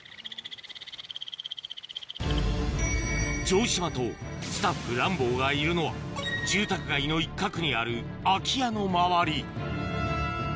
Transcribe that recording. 城島とスタッフランボーがいるのは住宅街の一角にある空き家の周り